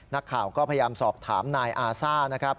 นักข่าวก็พยายามสอบถามนายอาซ่านะครับ